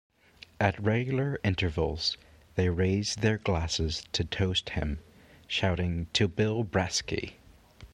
At regular intervals, they raise their glasses to toast him, shouting To Bill Brasky!